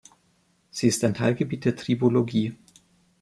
Sie ist ein Teilgebiet der Tribologie.